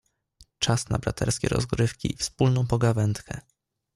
"Czas na braterskie rozrywki i wspólną pogawędkę."